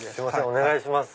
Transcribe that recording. お願いします